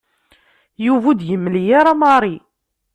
Yuba ur d-yemli ara Mary.